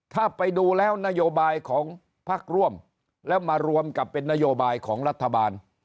ถ้าไปดูแล้วนโยบายของพักร่วมแล้วมารวมกับเป็นนโยบายของรัฐบาล